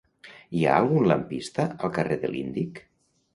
Hi ha algun lampista al carrer de l'Índic?